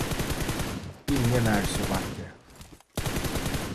Ingen är så vacker.